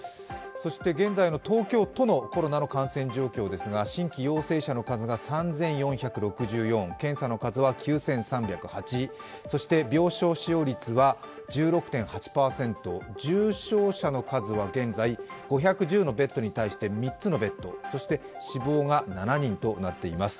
そして、現在の東京都のコロナの感染状況ですが、新規陽性者の数が３４６４、検査の数は９３０８、そして病床使用率は１６．８％重症者の数は現在５１０のベッドに対して３つのベッド、そして死亡が７人となっています。